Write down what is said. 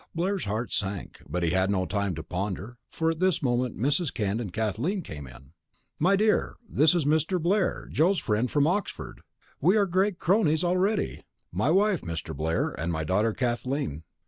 Blair's heart sank, but he had no time to ponder, for at this moment Mrs. Kent and Kathleen came in. "My dear, this is Mr. Blair, Joe's friend from Oxford. We are great cronies already. My wife, Mr. Blair, and my daughter Kathleen."